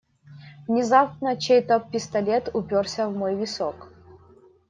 Внезапно чей-то пистолет упёрся в мой висок.